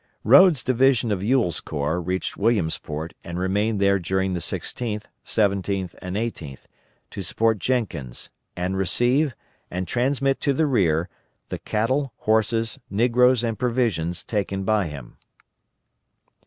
Rodes' division of Ewell's corps reached Williamsport and remained there during the 16th, 17th, and 18th, to support Jenkins, and receive, and transmit to the rear, the cattle, horses, negroes, and provisions, taken by him.